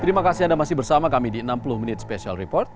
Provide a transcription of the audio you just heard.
terima kasih anda masih bersama kami di enam puluh menit special report